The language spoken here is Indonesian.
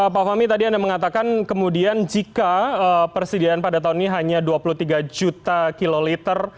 pak fahmi tadi anda mengatakan kemudian jika persediaan pada tahun ini hanya dua puluh tiga juta kiloliter